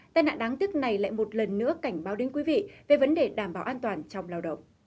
tai nạn đáng tiếc này lại một lần nữa cảnh báo đến quý vị về vấn đề đảm bảo an toàn trong lao động